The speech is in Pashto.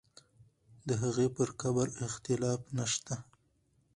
د هغې پر قبر اختلاف نه شته.